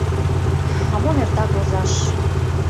А мом эртак возаш.